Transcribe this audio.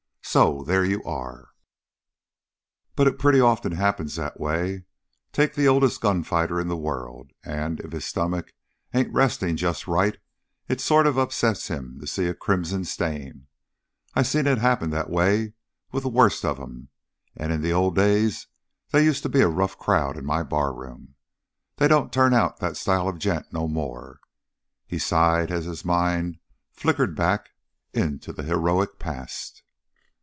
So there you are. But it pretty often happens that way! Take the oldest gunfighter in the world, and, if his stomach ain't resting just right, it sort of upsets him to see a crimson stain. I seen it happen that way with the worst of 'em, and in the old days they used to be a rough crowd in my barroom. They don't turn out that style of gent no more!" He sighed as his mind flickered back into the heroic past.